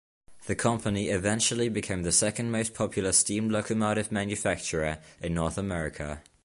The company eventually became the second most popular steam locomotive manufacturer in North America.